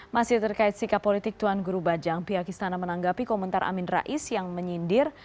masih terkait sikap politik tuan guru bajang pihak istana menanggapi komentar amin rais yang menyindir